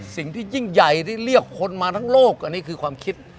สิ่งที่ยิ่งใหญ่ที่เรียกคนมาทั้งโลกอันนี้คือความคิด